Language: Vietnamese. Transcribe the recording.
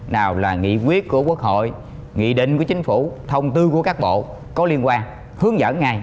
nào là nghị quyết của quốc hội nghị định của chính phủ thông tư của các bộ có liên quan hướng dẫn ngay